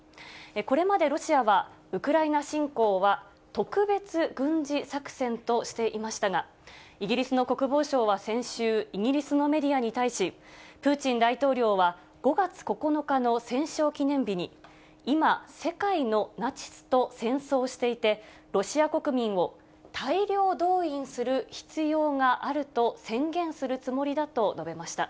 これまでロシアは、ウクライナ侵攻は特別軍事作戦としていましたが、イギリスの国防相は先週、イギリスのメディアに対し、プーチン大統領は、５月９日の戦勝記念日に、今、世界のナチスと戦争していて、ロシア国民を大量動員する必要があると宣言するつもりだと述べました。